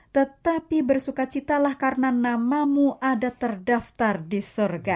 tetapi bersuka citalah karena namamu ada terdaftar di surga